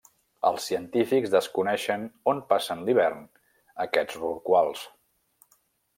Els científics desconeixen on passen l'hivern aquests rorquals.